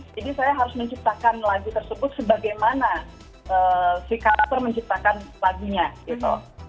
jadi saya harus menciptakan lagu tersebut sebagaimana si karakter menciptakan lagunya gitu